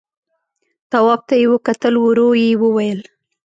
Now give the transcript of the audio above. تواب ته يې وکتل، ورو يې وويل: